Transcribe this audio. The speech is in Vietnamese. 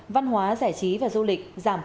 văn hóa giải trí và du lịch giảm bốn